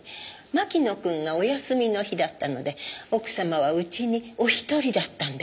牧野くんがお休みの日だったので奥様は家にお一人だったんです。